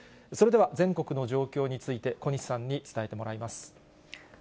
それでは全国の状況について、小西さんに伝えてもらいます。